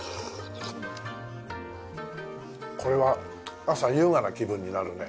これは朝優雅な気分になるね。